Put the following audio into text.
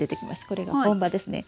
これが本葉ですね。